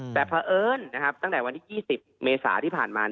แต่เพราะเอิญนะครับตั้งแต่วันที่๒๐เมษาที่ผ่านมา